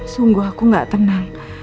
sungguh aku gak tenang